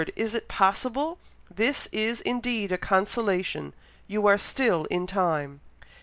is it possible! This is indeed a consolation! you are still in time!"